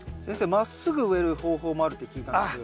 まっすぐ植える方法もあるって聞いたんですけども。